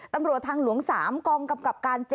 ตำรวจทางหลวง๓กองกำกับการ๗